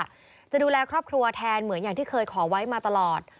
จะดูแลครอบครัวแทนเหมือนอย่างที่เคยขอไว้มาตลอด